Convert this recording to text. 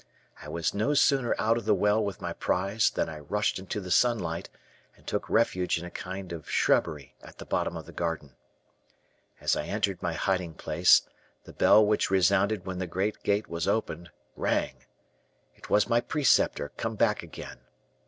I was no sooner out of the well with my prize, than I rushed into the sunlight, and took refuge in a kind of shrubbery at the bottom of the garden. As I entered my hiding place, the bell which resounded when the great gate was opened, rang. It was my preceptor come back again.